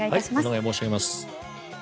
お願い申し上げます。